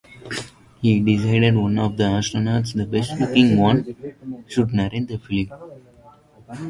He decided one of the astronauts, "the best looking one", should narrate the film.